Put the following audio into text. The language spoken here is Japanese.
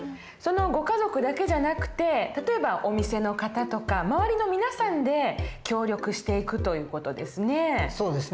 ご家族だけじゃなくて例えばお店の方とか周りの皆さんで協力していくという事ですね。